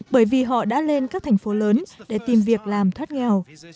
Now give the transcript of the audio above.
bởi vì họ đã lên các thành phố lớn để tìm việc làm thoát nghèo